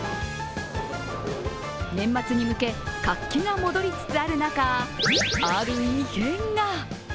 年末に向け活気が戻りつつある中ある異変が。